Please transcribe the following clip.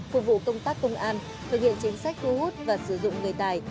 phục vụ công tác công an thực hiện chính sách thu hút và sử dụng người tài